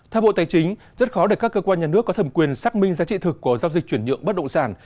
theo bộ tài chính rất khó để các cơ quan nhà nước có thẩm quyền xác minh giá trị thực của giao dịch chuyển nhượng bất động sản